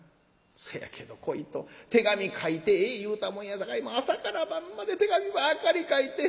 そやけど小糸手紙書いてええ言うたもんやさかい朝から晩まで手紙ばっかり書いて。